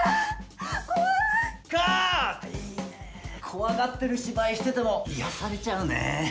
怖がってる芝居してても癒やされちゃうねえ。